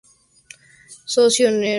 Socio Nro.